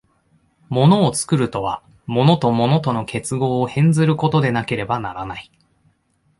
物を作るとは、物と物との結合を変ずることでなければならない。